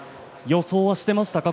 予想はしていましたか？